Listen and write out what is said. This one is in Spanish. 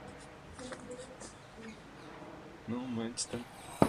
La portada septentrional de la ermita es de estilo barroco, pero discreto y sobrio.